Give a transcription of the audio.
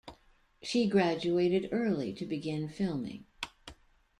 She graduated early to begin filming.